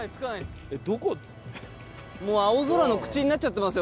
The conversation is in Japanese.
もうアオゾラの口になっちゃってますよ